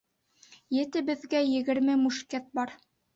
Етебеҙгә егерме мушкет бар.